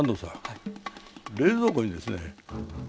冷蔵庫にですね